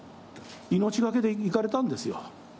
命懸けで行かれたんですよ。